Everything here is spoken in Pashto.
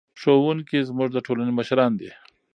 ښوونکي زموږ د ټولنې مشران دي.